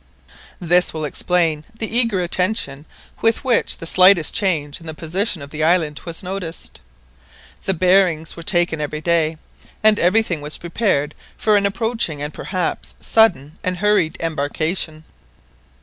This will explain the eager attention with which the slightest change in the position of the island was noticed. The bearings were taken every day, and everything was prepared for an approaching and perhaps sudden and hurried embarkation.